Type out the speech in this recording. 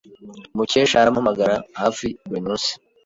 Mukesha arampamagara hafi buri munsi.